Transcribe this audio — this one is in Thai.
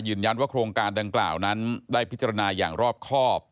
ว่าโครงการดังกล่าวนั้นได้พิจารณาอย่างรอบครอบ